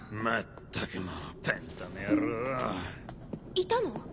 いたの？